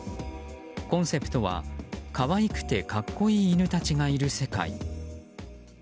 コンセプトは、可愛くて格好いい犬たちがいる世界。